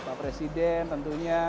pak presiden tentunya